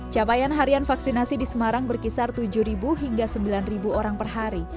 capaian harian vaksinasi di semarang berkisar tujuh hingga sembilan orang per hari